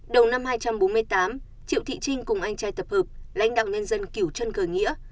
đầu năm hai trăm bốn mươi tám triệu thị trinh cùng anh trai tập hợp lãnh đạo nhân dân kiểu chân gờ nghĩa